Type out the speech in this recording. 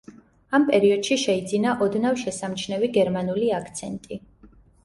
ამ პერიოდში შეიძინა ოდნავ შესამჩნევი გერმანული აქცენტი.